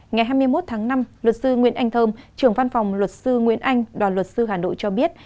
ngày hai mươi một tháng năm luật sư nguyễn anh thơm trưởng văn phòng luật sư nguyễn anh đoàn luật sư hà nội cho biết